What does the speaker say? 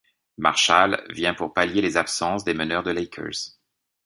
Marshall vient pour pallier les absences des meneurs des Lakers.